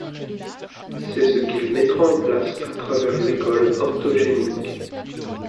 C'est ce qu'il mettra en place à travers l'école orthogénique.